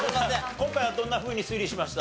今回はどんなふうに推理しました？